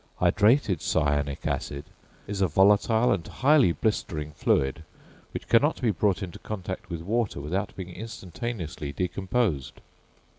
Hydrated cyanic acid is a volatile and highly blistering fluid, which cannot be brought into contact with water without being instantaneously decomposed.